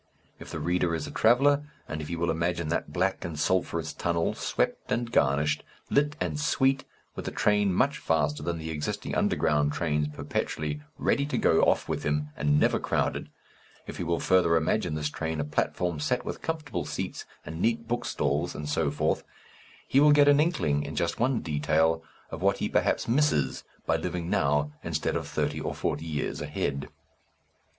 If the reader is a traveller, and if he will imagine that black and sulphurous tunnel, swept and garnished, lit and sweet, with a train much faster than the existing underground trains perpetually ready to go off with him and never crowded if he will further imagine this train a platform set with comfortable seats and neat bookstalls and so forth, he will get an inkling in just one detail of what he perhaps misses by living now instead of thirty or forty years ahead.